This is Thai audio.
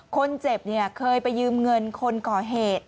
คนเจ็บเคยไปยืมเงินคนก่อเหตุ